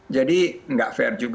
jadi nggak fair juga